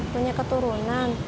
aku punya keturunan